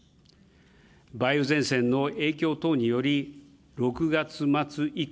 梅雨前線の影響等により、６月末以降、